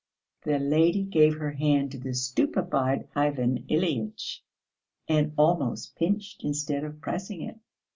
The lady gave her hand to the stupefied Ivan Ilyitch, and almost pinched instead of pressing it.